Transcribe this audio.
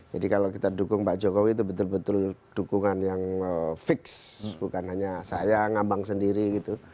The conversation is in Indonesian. jadi kalau kita dukung pak jokowi itu betul betul dukungan yang fix bukan hanya saya ngambang sendiri gitu